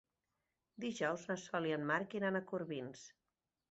Dijous na Sol i en Marc iran a Corbins.